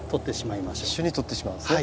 一緒に取ってしまうんですね。